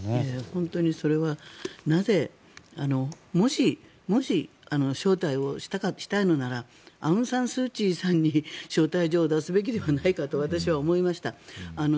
本当にそれはもし、招待をしたいのならアウンサンスーチーさんに招待状を出すべきではないかと私は思いました。